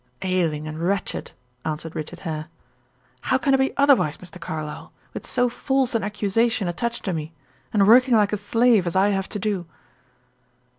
"Ailing and wretched," answered Richard Hare. "How can I be otherwise, Mr. Carlyle, with so false an accusation attached to me; and working like a slave, as I have to do?"